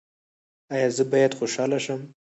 ایا زه باید خوشحاله شم؟